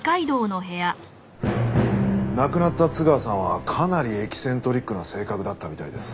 亡くなった津川さんはかなりエキセントリックな性格だったみたいです。